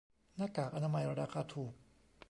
หน้ากากอนามัยราคาถูก